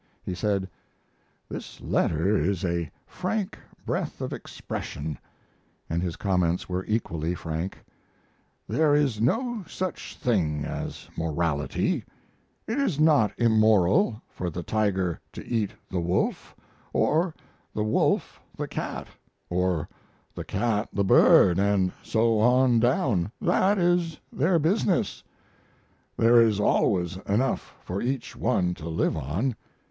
He said: "This letter is a frank breath of expression [and his comments were equally frank]. There is no such thing as morality; it is not immoral for the tiger to eat the wolf, or the wolf the cat, or the cat the bird, and so on down; that is their business. There is always enough for each one to live on.